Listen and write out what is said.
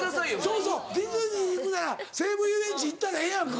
そうそうディズニー行くなら西武ゆうえんち行ったらええやんか。